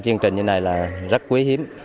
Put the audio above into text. chương trình như này rất quý hiếm